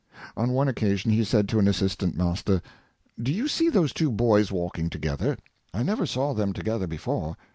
On one occasion, he said to an assistant master: "Do you see those two boys walking together? I never saw them together before.